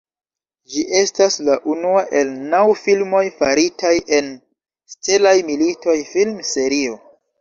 Ĝi estas la unua el naŭ filmoj faritaj en la Stelaj Militoj film-serio.